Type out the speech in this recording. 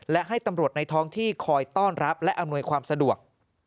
และให้ตำรวจในท้องที่คอยต้อนรับและอำนวยความสะดวก